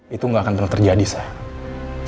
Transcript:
itu gak akan pernah terjadi sih